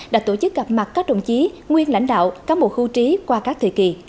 đã tổ chức gặp mặt các đồng chí nguyên lãnh đạo cán bộ hưu trí qua các thời kỳ